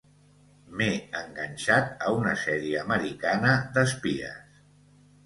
M'he enganxat a una sèrie americana d'espies.